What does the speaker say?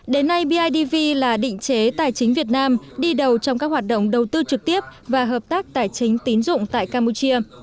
đến nay bidv là định chế tài chính việt nam đi đầu trong các hoạt động đầu tư trực tiếp và hợp tác tài chính tín dụng tại campuchia